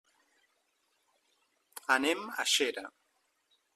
Anem a Xera.